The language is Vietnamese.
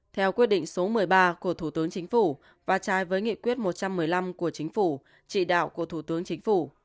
theo quyết định số một mươi ba của thủ tướng chính phủ và trái với nghị quyết một trăm một mươi năm của chính phủ chỉ đạo của thủ tướng chính phủ